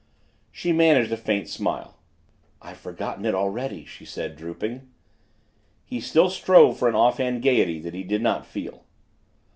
She managed a faint smile. "I've forgotten it already," she said, drooping. He still strove for an offhand gaiety that he did not feel.